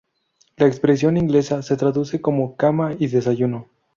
La expresión inglesa, se traduce como 'cama y desayuno'.